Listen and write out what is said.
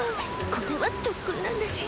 これは特訓なんだし！